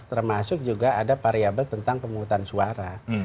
termasuk juga ada variabel tentang pengurutan suara